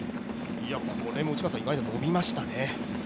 これも以外に伸びましたね。